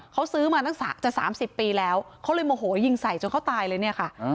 เขาซื้อมาตั้งจะ๓๐ปีแล้วเขาเลยโมโหยิงใส่จนเขาตายเลยเนี่ยค่ะ